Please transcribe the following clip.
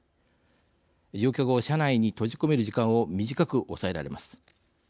乗客を車内に閉じ込める時間を短く抑えられます。